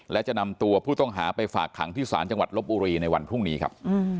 และจะนำตัวผู้ต้องหาไปฝากขังที่ศาลจังหวัดลบบุรีในวันพรุ่งนี้ครับ